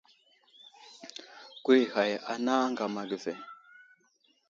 Kurag i ghag anay aŋgam age ve.